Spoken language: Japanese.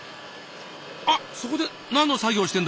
あっそこで何の作業してんだろう？